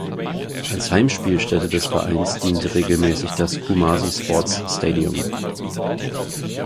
Als Heimspielstätte des Vereins diente regelmäßig das Kumasi Sports Stadium.